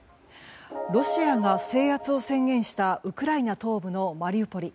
ロシアが制圧を宣言したウクライナ東部のマリウポリ。